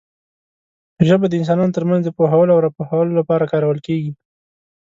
ژبه د انسانانو ترمنځ د پوهولو او راپوهولو لپاره کارول کېږي.